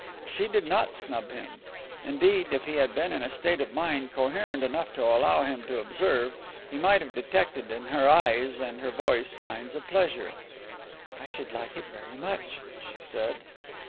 She did not snub him. Indeed, if he had been in a state of mind coherent enough to allow him to observe, he might have detected in her eyes and her voice signs of pleasure. "I should like it very much," she said.